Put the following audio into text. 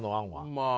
まあ。